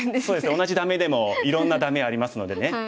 同じ「ダメ」でもいろんな「ダメ」ありますのでね。